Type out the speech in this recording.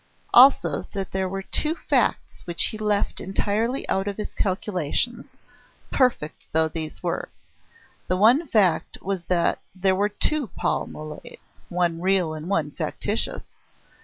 Also that there were two facts which he left entirely out of his calculations, perfect though these were. The one fact was that there were two Paul Moles one real and one factitious.